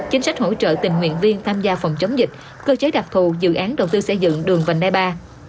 chính sách hỗ trợ tình nguyện viên tham gia phòng chống dịch cơ chế đặc thù dự án đầu tư xây dựng đường vành đai ba